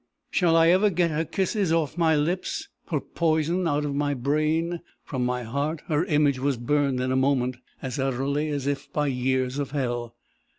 "Shall I ever get her kisses off my lips, her poison out of my brain! From my heart, her image was burned in a moment, as utterly as if by years of hell!